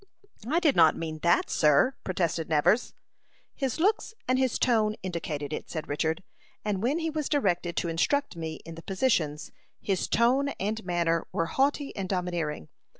"I did not mean that, sir," protested Nevers. "His looks and his tone indicated it," said Richard. "And when he was directed to instruct me in the positions, his tone and manner were haughty and domineering.